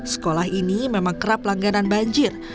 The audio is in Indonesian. sekolah ini memang kerap langganan banjir